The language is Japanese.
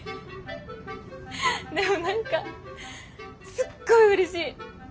でも何かすっごいうれしい。